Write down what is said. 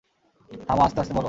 থামো, আস্তে আস্তে বলো।